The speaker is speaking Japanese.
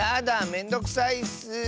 めんどくさいッス。